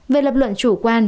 về lập luận chủ quan